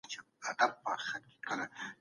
د سولي خبري باید د ولس تر شا ونه سي.